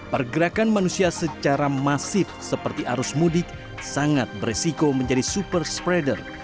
pergerakan manusia secara masif seperti arus mudik sangat beresiko menjadi super spreader